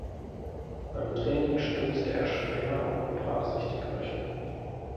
Beim Training stürzte er schwer und brach sich den Knöchel.